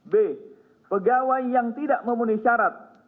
b pegawai yang tidak memenuhi syarat